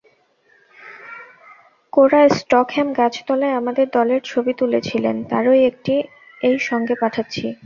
কোরা স্টকহ্যাম গাছতলায় আমাদের দলের ছবি তুলেছিলেন, তারই একটি এই সঙ্গে পাঠাচ্ছি।